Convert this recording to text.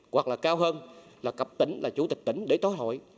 hoặc là cao hơn là cấp tỉnh là chủ tịch tỉnh để tối hội